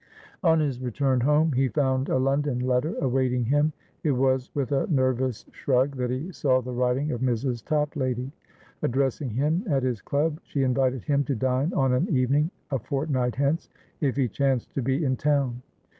On his return home, he found a London letter awaiting him. It was with a nervous shrug that he saw the writing of Mrs. Toplady. Addressing him at his club, she invited him to dine on an evening a fortnight hence, if he chanced to be in town.